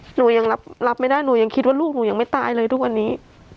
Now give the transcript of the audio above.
หนูยังรับไม่ได้หนูยังคิดว่าลูกหนูยังไม่ตายเลยทุกวันนี้